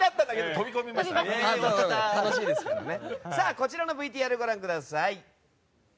こちらのＶＴＲご覧ください。